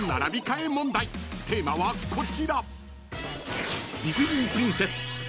［テーマはこちら］